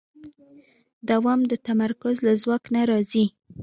دوام د تمرکز له ځواک نه راځي.